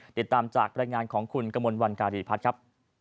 ติดตามจากรายงานของคุณกมลวันการีพัฒน์ครับ